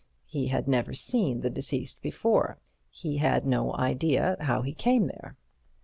He had never seen the deceased before. He had no idea how he came there.